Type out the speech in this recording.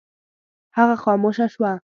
هغه خاموشه شوه.